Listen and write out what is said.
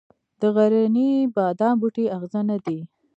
د غرني بادام بوټی اغزنه دی